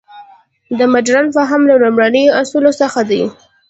د مډرن فهم له لومړنیو اصولو څخه دی.